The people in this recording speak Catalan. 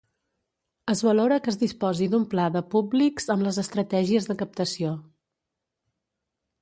Es valora que es disposi d'un pla de públics amb les estratègies de captació.